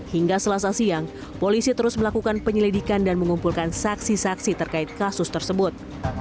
hingga selasa siang polisi terus melakukan penyelidikan dan mengumpulkan saksi saksi terkait kasus tersebut